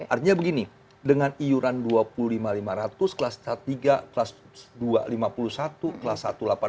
artinya begini dengan iuran dua puluh lima lima ratus kelas tiga kelas dua lima puluh satu kelas satu delapan